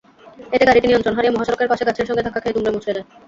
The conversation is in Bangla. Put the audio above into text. এতে গাড়িটি নিয়ন্ত্রণ হারিয়ে মহাসড়কের পাশে গাছের সঙ্গে ধাক্কা খেয়ে দুমড়েমুচড়ে যায়।